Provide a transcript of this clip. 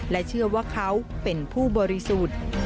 เชื่อว่าเขาเป็นผู้บริสุทธิ์